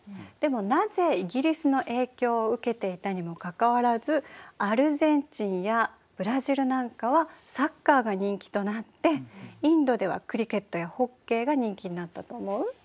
でもなぜイギリスの影響を受けていたにもかかわらずアルゼンチンやブラジルなんかはサッカーが人気となってインドではクリケットやホッケーが人気になったと思う？